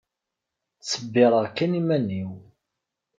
Ttsebbireɣ kan iman-iw.